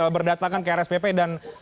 berdatakan ke rspp dan